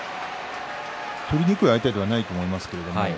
取りにくい相手ではないと思いますけれど。